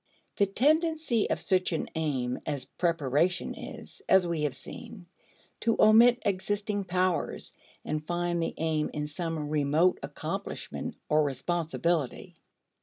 The tendency of such an aim as preparation is, as we have seen, to omit existing powers, and find the aim in some remote accomplishment or responsibility.